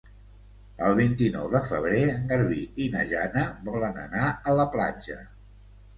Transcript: El vint-i-nou de febrer en Garbí i na Jana volen anar a la platja.